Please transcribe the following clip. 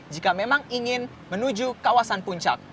jika memang ingin menuju kawasan puncak